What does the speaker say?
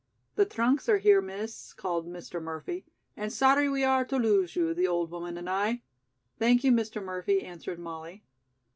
"The trunks are here, Miss," called Mr. Murphy, "and sorry we are to lose you, the old woman and I." "Thank you, Mr. Murphy," answered Molly.